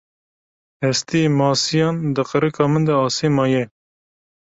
Hestiyê masiyan di qirika min de asê maye.